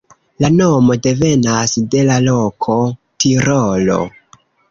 La nomo devenas de la loko Tirolo.